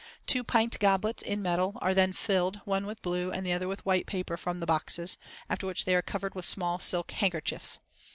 Two pint goblets, in metal, are then filled, one with blue, and the other with white paper from the boxes, after which they are covered with small silk handkerchiefs.